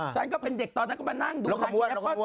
ฉันก็เป็นเด็กตอนนั้นก็มานั่งดูทางคุณแอปเปิ้ล